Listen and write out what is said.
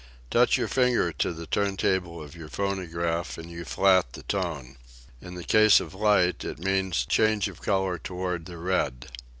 Touch your finger to the turntable of your phonograph and you flat the tone. In the case of light, it means change of color toward the red.